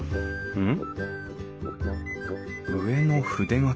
うん。